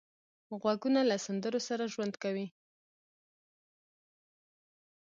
غوږونه له سندرو سره ژوند کوي